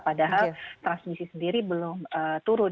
padahal transmisi sendiri belum turun